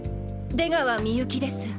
出川みゆきです。